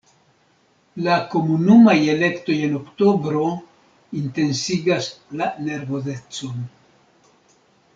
La komunumaj elektoj en oktobro intensigas la nervozecon.